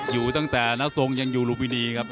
อยู่ตั้งแต่น้าทรงยังอยู่ลุมพินีครับ